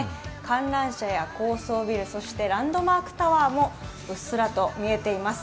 観覧車や高層ビル、そしてランドマークタワーもうっすらと見えています。